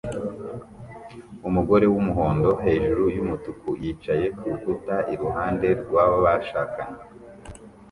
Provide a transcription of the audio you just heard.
Umugore wumuhondo hejuru yumutuku yicaye kurukuta iruhande rwabashakanye